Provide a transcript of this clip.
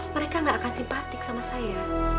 mereka gak akan simpatik sama saya